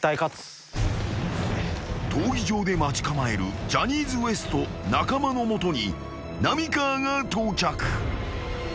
［闘技場で待ち構えるジャニーズＷＥＳＴ中間の元に浪川が到着］